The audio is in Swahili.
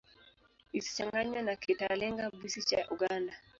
Isichanganywe na Kitalinga-Bwisi cha Uganda.